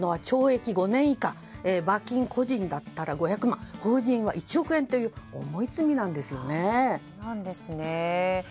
懲役５年以下、罰金個人だったら５００万法人は１億円という重い罪なんですね。